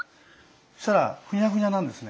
そうしたらふにゃふにゃなんですね。